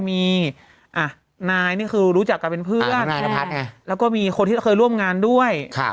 มีนายนี่คือรู้จักกันเป็นเพื่อนนายนพัฒน์แล้วก็มีคนที่เคยร่วมงานด้วย